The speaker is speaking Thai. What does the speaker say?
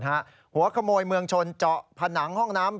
หัวขโมยเมืองชนเจาะผนังห้องน้ำ